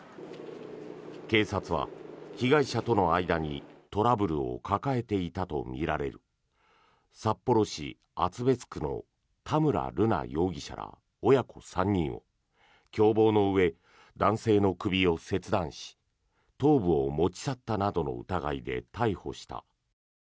警察は被害者との間にトラブルを抱えていたとみられる札幌市厚別区の田村瑠奈容疑者ら親子３人を共謀のうえ男性の首を切断し頭部を持ち去ったなどの疑いで逮捕した。